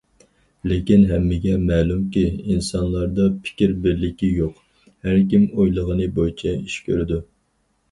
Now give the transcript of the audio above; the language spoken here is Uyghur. لېكىن، ھەممىگە مەلۇمكى، ئىنسانلاردا پىكىر بىرلىكى يوق، ھەر كىم ئويلىغىنى بويىچە ئىش كۆرىدۇ.